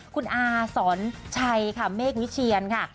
คุณอาสอนชัยค่ะเมฆวิเชียนค่ะ